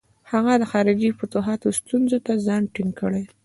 هغه د خارجي فتوحاتو ستونزو ته ځان ټینګ کړي.